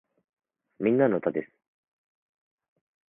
みんなの歌です